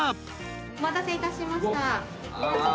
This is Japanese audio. お待たせいたしました。